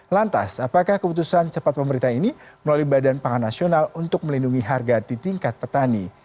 lantas apakah keputusan cepat pemerintah ini melalui badan pangan nasional untuk melindungi harga di tingkat petani